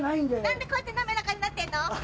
何でこうやって滑らかになってんの？